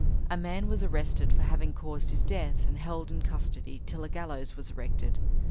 A man was arrested for having caused his death, and held in custody till a gallows was erected.